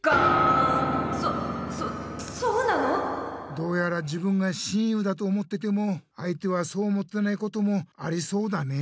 どうやら自分が親友だと思ってても相手はそう思ってないこともありそうだねえ。